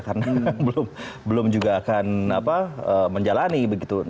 karena belum juga akan menjalani begitu